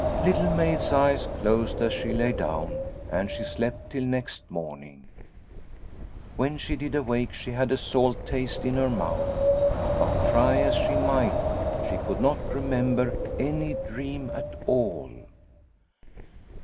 Little Maid's eyes closed as she lay down, and she slept till next morning. When she did awake she had a salt taste in her mouth, but 94 Liliecrona's Home try as she might she could not remember any dream at all.